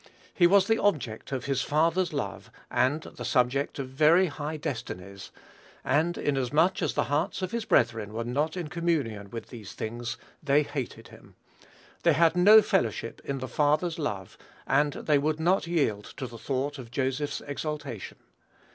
He was the object of his father's love, and the subject of very high destinies; and, inasmuch as the hearts of his brethren were not in communion with these things, they hated him. They had no fellowship in the father's love, and they would not yield to the thought of Joseph's exaltation.